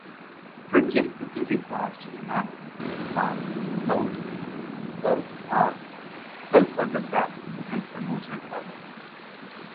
Frentzen quickly re-passed Zanardi, but Coulthard fell further back, behind Schumacher and Salo.